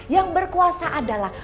yang berkuasa adalah